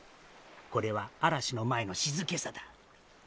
これは嵐の前の静けさだ。